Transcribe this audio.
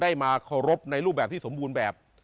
ได้มาครบในรูปผลที่สมบูรณ์แบบ